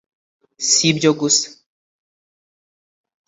si ibyo gusa